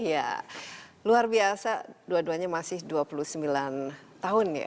ya luar biasa dua duanya masih dua puluh sembilan tahun ya